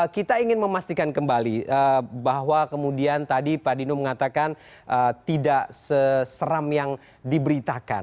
kita ingin memastikan kembali bahwa kemudian tadi pak dino mengatakan tidak seseram yang diberitakan